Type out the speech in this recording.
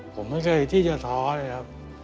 ผมไม่เคยที่จะท้อเลยครับ